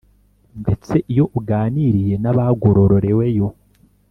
ndetse iyo uganiriye n’abagororeweyo